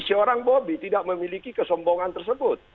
seorang bobi tidak memiliki kesombongan tersebut